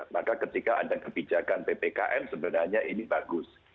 maka ketika ada kebijakan ppkm sebenarnya ini bagus